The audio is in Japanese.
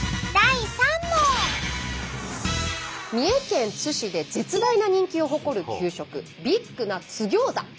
三重県津市で絶大な人気を誇る給食ビッグな津ぎょうざ。